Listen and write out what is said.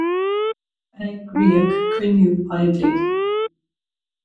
Eagraíodh cruinniú poiblí.